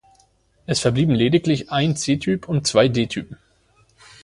Es verblieben lediglich ein C-Typ und zwei D-Typen.